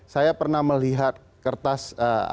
saya pernah melihat kertas